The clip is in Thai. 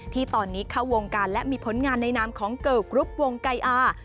ที่ตอนนี้เข้าวงการและมีผลงานในนามของเกิลกรุ๊ปวงไก่อา